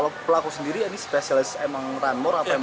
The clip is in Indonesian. kalau pelaku sendiri ini spesialis emang ranmor atau emang